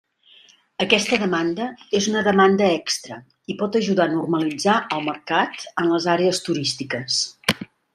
Aquesta demanda és una demanda extra i pot ajudar a normalitzar el mercat en les àrees turístiques.